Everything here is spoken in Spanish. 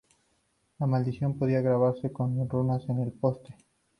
La maldición podía grabarse con runas en el poste.